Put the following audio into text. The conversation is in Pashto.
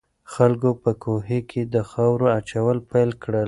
خلکو په کوهي کې د خاورو اچول پیل کړل.